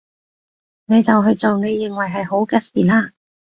你就去做你認為係好嘅事啦